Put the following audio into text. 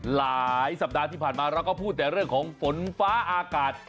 หลายสัปดาห์ที่ผ่านมาเราก็พูดแต่เรื่องของฝนฟ้าอากาศ